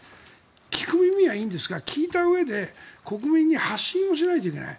聞く耳はいいんですが聞いたうえで国民に発信をしないといけない。